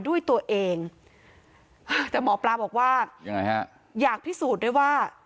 ด้วยตัวเองแต่หมอปลาบอกว่ายังไงฮะอยากพิสูจน์ด้วยว่า